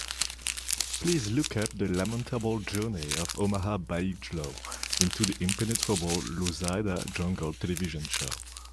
Please look up The Lamentable Journey of Omaha Bigelow into the Impenetrable Loisaida Jungle television show.